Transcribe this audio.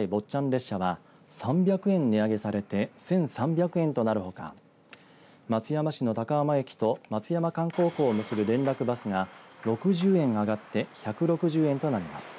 列車は３００円値上げされて１３００円となるほか松山市の高浜駅と松山観光港を結ぶ連絡バスが６０円上がって１６０円となります。